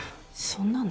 そんなの？